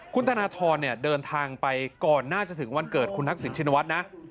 คุณธนทรเนี่ยเดินทางไปก่อนหน้าจะถึงวันเกิดคุณทักศิลป์ชิงนวัลนะ